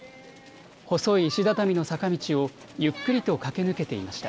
細い石畳の坂道をゆっくりと駆け抜けていました。